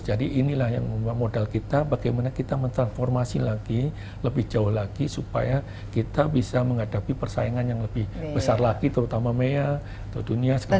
jadi inilah yang memudah modal kita bagaimana kita mentransformasi lagi lebih jauh lagi supaya kita bisa menghadapi persaingan yang lebih besar lagi terutama mea atau dunia sekarang